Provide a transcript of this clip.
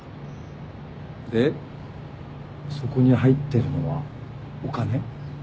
でそこに入ってるのはお金？